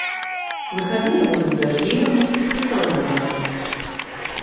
Выхадныя будуць дажджлівымі і халаднаватымі.